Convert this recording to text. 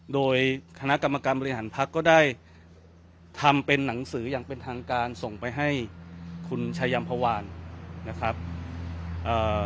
โดยคณะกรรมการบริหารพักก็ได้ทำเป็นหนังสืออย่างเป็นทางการส่งไปให้คุณชายัมพวานนะครับเอ่อ